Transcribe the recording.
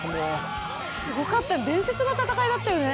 すごかった伝説の戦いだったよね